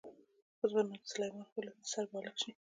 اوس به نو د سلیمان خېلو د سر بالښت شي.